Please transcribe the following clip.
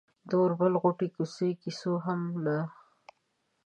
د اوربل غوټې، کوڅۍ، د ګيسو هم لا